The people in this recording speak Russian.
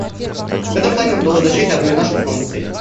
В этом плане нам удалось достичь одной из наших основных целей.